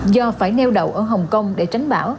do phải neo đậu ở hồng kông để tránh bão